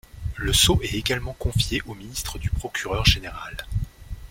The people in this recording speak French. Le sceau est également confié au ministre du procureur-général.